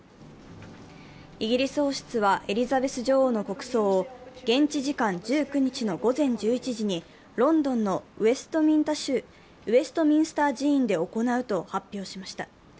イギリス王室はエリザベス女王の国葬を現地時間１９日の午前１１時にロンドンのウェストミンスター寺院で行うと発表しました。